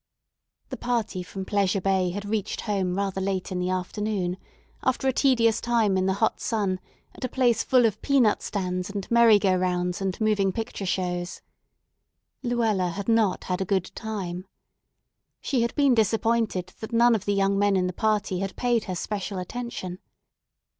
The party from Pleasure Bay had reached home rather late in the afternoon, after a tedious time in the hot sun at a place full of peanut stands and merry go rounds and moving picture shows. Luella had not had a good time. She had been disappointed that none of the young men in the party had paid her special attention.